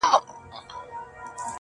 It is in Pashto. د عزرایل پوځونه